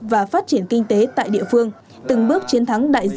và phát triển kinh tế tại địa phương từng bước chiến thắng đại dịch